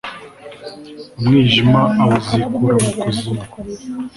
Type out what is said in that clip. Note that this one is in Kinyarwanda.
umwijima awuzikura mu kuzimu